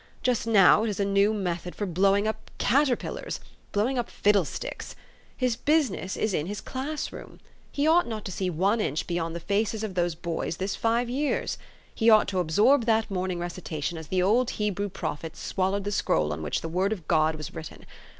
Just now it is a new method 316 THE STORY OF AVIS. for blowing up caterpillars blowing up fiddle sticks ! His business is in his class room. He ought not to see one inch be} T ond the faces of those boys this five years. He ought to absorb that morning recitation as the old Hebrew prophets swallowed the scroll on which the word of God was written.